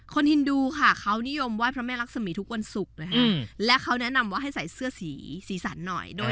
ฮินดูค่ะเขานิยมไหว้พระแม่รักษมีทุกวันศุกร์เลยค่ะและเขาแนะนำว่าให้ใส่เสื้อสีสีสันหน่อย